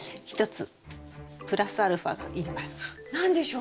１つプラスアルファがいります。